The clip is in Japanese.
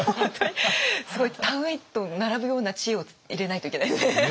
すごい田植えと並ぶような知恵を入れないといけないですね。